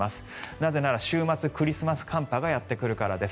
なぜなら週末、クリスマス寒波がやってくるからです。